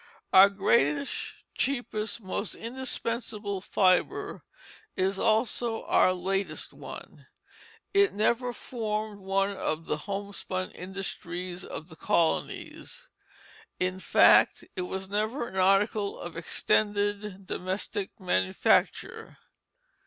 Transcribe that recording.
Our greatest, cheapest, most indispensable fibre is also our latest one. It never formed one of the homespun industries of the colonies; in fact, it was never an article of extended domestic manufacture.